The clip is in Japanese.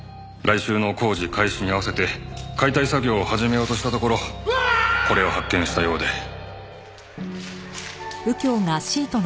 来週の工事開始に合わせて解体作業を始めようとしたところこれを発見したようで。